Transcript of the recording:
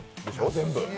全部。